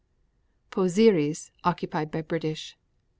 Pozieres occupied by British.